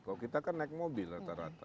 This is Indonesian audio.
kalau kita kan naik mobil rata rata